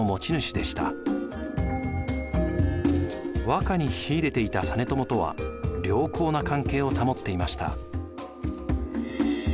和歌に秀でていた実朝とは良好な関係を保っていました。